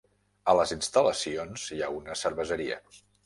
A les instal·lacions hi ha una cerveseria.